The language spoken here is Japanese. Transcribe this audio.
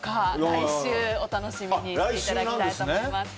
来週、お楽しみにしていただきたいと思います。